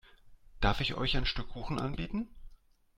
Darf ich euch ein Stück Kuchen anbieten?